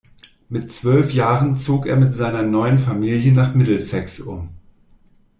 Mit zwölf Jahren zog er mit seiner neuen Familie nach Middlesex um.